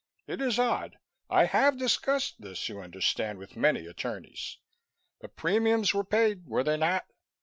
"It is odd. I have discussed this, you understand, with many attorneys. The premiums were paid, were they not?